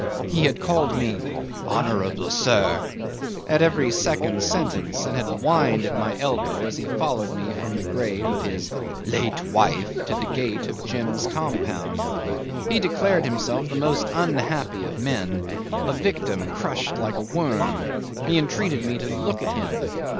He had called me "honourable sir" at every second sentence, and had whined at my elbow as he followed me from the grave of his "late wife" to the gate of Jim's compound. He declared himself the most unhappy of men, a victim, crushed like a worm; he entreated me to look at him.